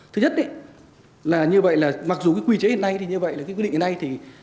thứ nhất mặc dù quy chế hiện nay thì như vậy quyết định hiện nay thì